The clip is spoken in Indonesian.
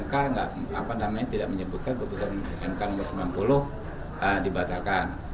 mk tidak menyebutkan putusan mk nomor sembilan puluh dibatalkan